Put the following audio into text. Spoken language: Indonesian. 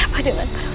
apa dengan perutku